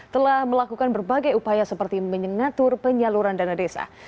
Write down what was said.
telah melakukan berbagai upaya seperti menyengatur penyaluran dana desa